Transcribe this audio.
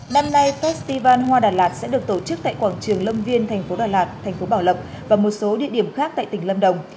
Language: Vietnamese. năm nay festival hoa đà lạt sẽ được tổ chức tại quảng trường lâm viên thành phố đà lạt thành phố bảo lộc và một số địa điểm khác tại tỉnh lâm đồng